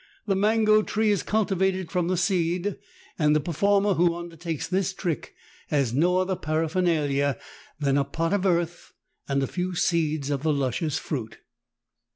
The mango tree is cultivated from the seed, and 98 THE TALKING HANDKERCHIEF. the performer who undertakes this trick has no other paraphernalia than a pot ol earth and a few seeds of the luscious fruit.